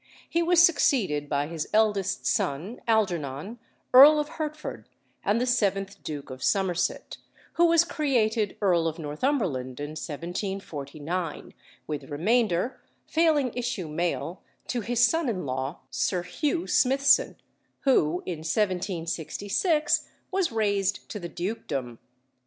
He was succeeded by his eldest son, Algernon, Earl of Hertford, and the seventh Duke of Somerset, who was created Earl of Northumberland in 1749, with remainder, failing issue male, to his son in law, Sir Hugh Smithson, who in 1766 was raised to the dukedom.